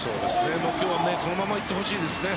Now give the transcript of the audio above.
今日はこのままいってほしいです。